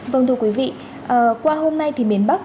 vâng thưa quý vị qua hôm nay thì miền bắc